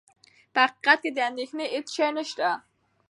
په حقیقت کې د اندېښنې هېڅ شی نه شته.